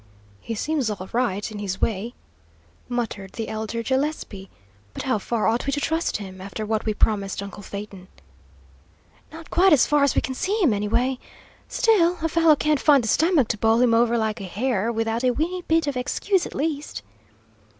"He seems all right, in his way," muttered the elder Gillespie, "but how far ought we to trust him, after what we promised uncle Phaeton?" "Not quite as far as we can see him, anyway. Still, a fellow can't find the stomach to bowl him over like a hare, without a weenty bit of excuse, at least."